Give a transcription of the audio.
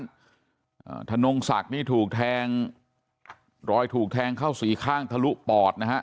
อ่าธนงศักดิ์นี่ถูกแทงรอยถูกแทงเข้าสี่ข้างทะลุปอดนะฮะ